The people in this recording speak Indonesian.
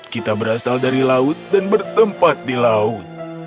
kita berasal dari laut dan bertempat di laut